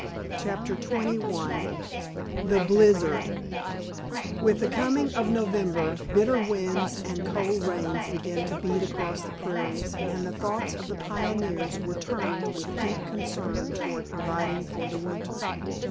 *CHAPTER XXI* *THE BLIZZARD* With the coming of November, bitter winds and cold rains began to beat across the prairies, and the thoughts of the pioneers were turned with deep concern toward providing for the winter.